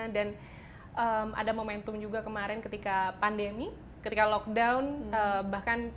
dan ada momentum juga kemarin ketika pandemi ketika lockdown bahkan